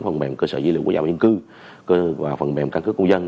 phần mềm cơ sở dữ liệu của giáo viên cư và phần mềm căn cứ công dân